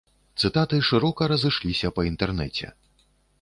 Цытаты шырока разышліся па інтэрнэце.